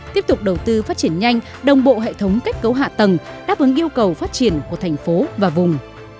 tiếp tục đầu tư phát triển nhanh đồng bộ hệ thống kết cấu hạ tầng đáp ứng yêu cầu phát triển của thành phố và vùng